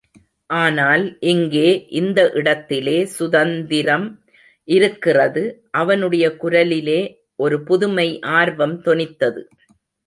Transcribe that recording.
ஆனால் இங்கே, இந்த இடத்திலே சுதந்திரம் இருக்கிறது! அவனுடைய குரலிலே ஒரு புதுமை ஆர்வம் தொனித்தது.